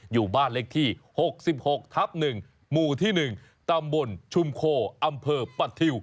อยู่บ้านเลขที่๖๖ทับ๑หมู่ที่๑ตำบลชุมโคอำเภอปะทิว